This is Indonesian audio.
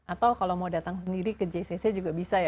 atau kalau mau datang sendiri ke jcc juga bisa ya